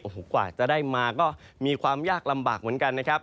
โอ้โหกว่าจะได้มาก็มีความยากลำบากเหมือนกันนะครับ